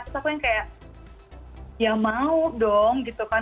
terus aku yang kayak ya mau dong gitu kan